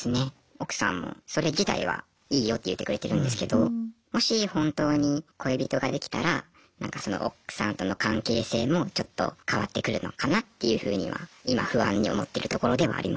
奥さんもそれ自体はいいよって言ってくれてるんですけどもし本当に恋人ができたらなんかその奥さんとの関係性もちょっと変わってくるのかなっていうふうには今不安に思ってるところでもありますね。